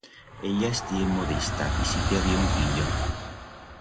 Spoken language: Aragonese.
Ella estié modista y sí que habié un fillo.